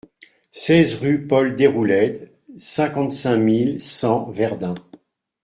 seize rue Paul Deroulède, cinquante-cinq mille cent Verdun